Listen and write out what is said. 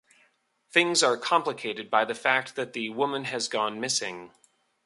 Things are complicated by the fact that the woman has gone missing.